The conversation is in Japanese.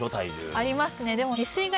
ありますねでも。